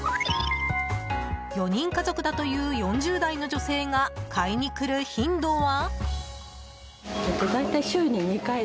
４人家族だという４０代の女性が買いに来る頻度は。